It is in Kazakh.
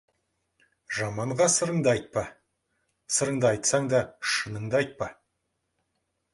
Жаманға сырыңды айтпа, сырыңды айтсаң да, шыныңды айтпа.